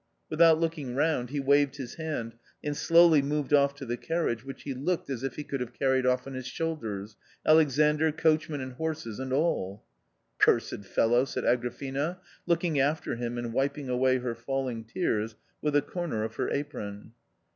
" Without looking round he waved his Tiand and slowly moved off to the carriage which he looked as if he could have carried off on his shoulders — Alexandr, coachman and horses and all. " Cursed fellow !" said Agrafena, looking after him and wiping away her falling tears with a corner of her apron.